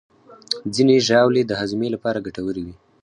ځینې ژاولې د هاضمې لپاره ګټورې وي.